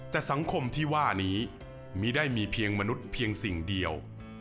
แต่สังคมที่ว่านี้มีได้มีเพียงมนุษย์เพียงสิ่งเดียว